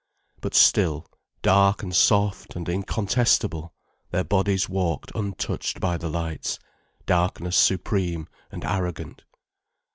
But still, dark and soft and incontestable, their bodies walked untouched by the lights, darkness supreme and arrogant.